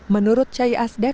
menurut chai asdek ahli hukum